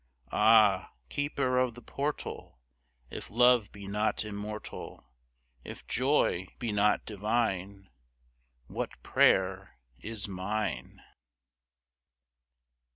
Ah, Keeper of the Portal, If Love be not immortal, If Joy be not divine, What prayer is mine?